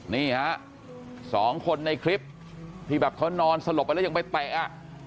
นี่ฮะสองคนในคลิปที่แบบเขานอนสลบไปแล้วยังไปเตะอ่ะ